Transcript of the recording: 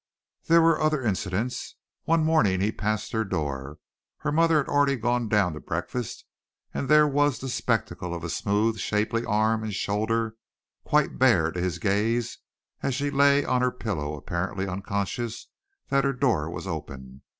There were other incidents. One morning he passed her door. Her mother had already gone down to breakfast and there was the spectacle of a smooth, shapely arm and shoulder quite bare to his gaze as she lay on her pillow apparently unconscious that her door was open.